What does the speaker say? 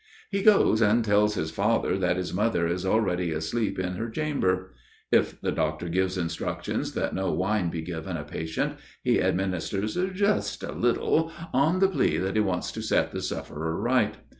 He goes and tells his father that his mother is already asleep in her chamber. If the doctor gives instructions that no wine be given a patient, he administers "just a little," on the plea that he wants to set the sufferer right.